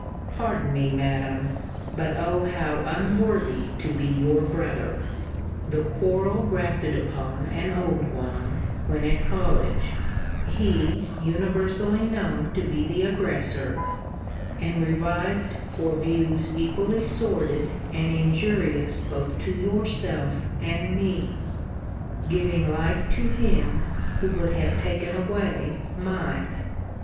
Pardon me, Madam! But oh! how unworthy to be your brother! The quarrel grafted upon an old one, when at college; he universally known to be the aggressor; and revived for views equally sordid and injurious both to yourself and me giving life to him, who would have taken away mine!